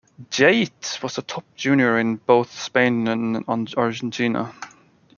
Jaite was a top junior in both Spain and Argentina.